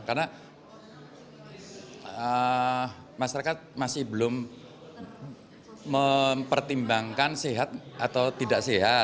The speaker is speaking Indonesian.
karena masyarakat the masih belum mempertimbangkan sehat atau tidak sehat